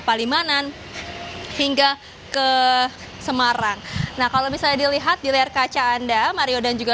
palimanan hingga ke semarang nah kalau misalnya dilihat di layar kaca anda mario dan juga